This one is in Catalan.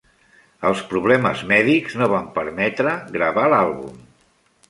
Els problemes mèdics no van permetre gravar l"àlbum.